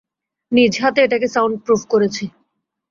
নিজহাতে এটাকে সাউন্ডপ্রুফ করেছি।